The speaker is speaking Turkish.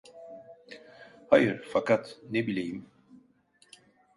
Hayır, fakat ne bileyim…